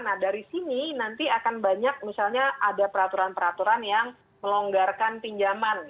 nah dari sini nanti akan banyak misalnya ada peraturan peraturan yang melonggarkan pinjaman